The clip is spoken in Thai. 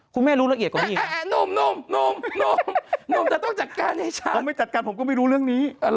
คุณแม่รู้ละเอียดกว่านี้